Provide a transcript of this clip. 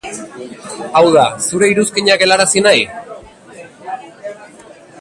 Hau da, zure iruzkinak helarazi nahi?